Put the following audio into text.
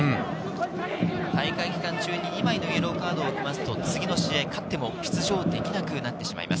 大会期間中に２枚のイエローカードを取りますと次の試合に勝っても出場できなくなってしまいます。